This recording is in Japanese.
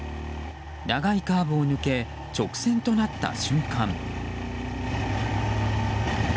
長いカーブを抜け直線となった瞬間。